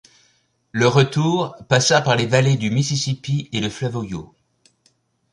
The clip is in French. Le retour passa par les vallées du Mississippi et le fleuve Ohio.